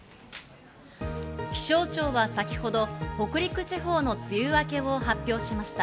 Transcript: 気象庁は先ほど北陸地方の梅雨明けを発表しました。